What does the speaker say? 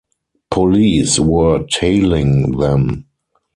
Police were tailing them.